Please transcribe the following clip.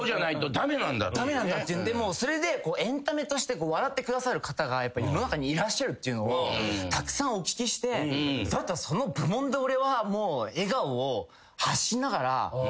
それでエンタメとして笑ってくださる方が世の中にいらっしゃるっていうのをたくさんお聞きしてそれだったらその部門で俺は笑顔を発しながらはっささせて。